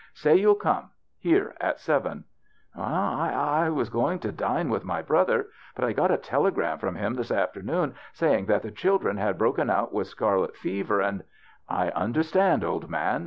Say you'll come. Here, at seven." " I — I was going to dine with my brother, but I got a telegram from him this afternoon saying that the children had broken out with scarlet fever and "" I understand, old man.